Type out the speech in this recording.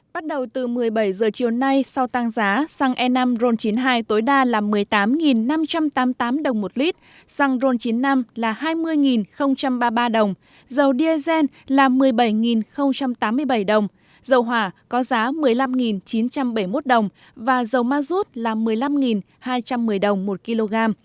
bắt đầu từ một mươi bảy giờ chiều nay sau tăng giá xăng e năm ron chín mươi hai tối đa là một mươi tám năm trăm tám mươi tám đồng một lít xăng ron chín mươi năm là hai mươi ba mươi ba đồng dầu diesel là một mươi bảy tám mươi bảy đồng dầu hỏa có giá một mươi năm chín trăm bảy mươi một đồng và dầu ma rút là một mươi năm hai trăm một mươi đồng một kg